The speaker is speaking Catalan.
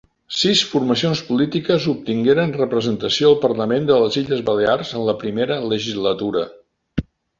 Sis formacions polítiques obtingueren representació al Parlament de les Illes Balears en la Primera Legislatura.